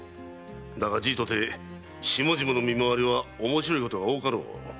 だがじいとて下々の見廻りは面白いことが多かろう。